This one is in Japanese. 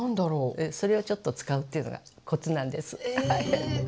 それをちょっと使うというのがコツなんです。